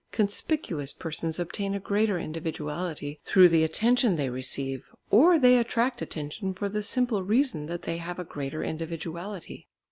Conspicuous persons obtain a greater individuality through the attention they receive, or they attract attention for the simple reason that they have a greater individuality.